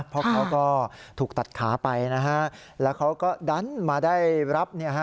เพราะเขาก็ถูกตัดขาไปนะฮะแล้วเขาก็ดันมาได้รับเนี่ยฮะ